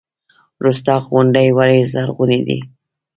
رستاق غونډۍ ولې زرغونې دي؟